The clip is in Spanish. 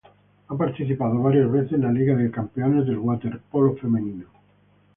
Ha participado varias veces en la liga de campeones de waterpolo femenino.